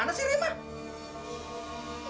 kamu gimana sih rema